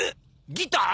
ギター？